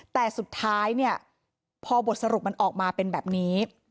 แต่สุดท้ายเนี่ยพอบทสรุปมันออกมาเป็นแบบนี้